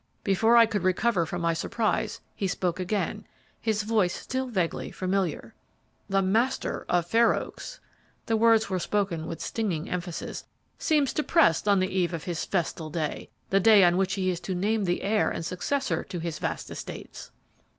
Before I could recover from my surprise, he again spoke, his voice still vaguely familiar. "'The master of Fair Oaks' the words were spoken with stinging emphasis 'seems depressed on the eve of his festal day, the day on which he is to name the heir and successor to his vast estates!'